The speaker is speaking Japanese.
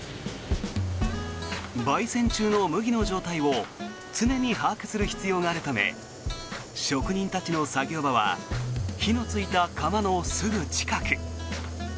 焙煎中の麦の状態を常に把握する必要があるため職人たちの作業場は火のついた窯のすぐ近く。